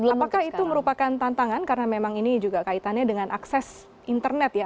apakah itu merupakan tantangan karena memang ini juga kaitannya dengan akses internet ya